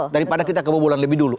daripada kita kebobolan lebih dulu